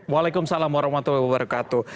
waalaikumsalam warahmatullahi wabarakatuh